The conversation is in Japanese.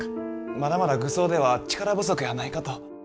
まだまだ愚僧では力不足やないかと。